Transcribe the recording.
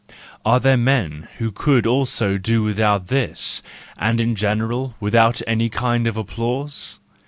Are there men who could also do without this, and in general without any kind of applause